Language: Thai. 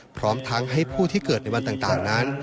พร้อมทั้งให้ผู้ที่เกิดในวันต่างนั้น